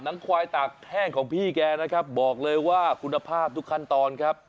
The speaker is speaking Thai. งควายตากแห้งของพี่แกนะครับบอกเลยว่าคุณภาพทุกขั้นตอนครับ